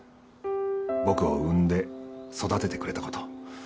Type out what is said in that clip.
僕を産んで育ててくれたこと。